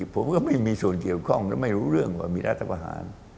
ผมก็ไม่มีส่วนเกี่ยวข้องและไม่รู้เรื่องว่ามีรัฐประหาร